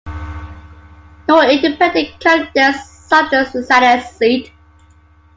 No independent candidates sought the senate seat.